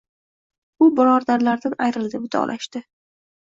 U birodarlaridan ayrildi, vidolashdi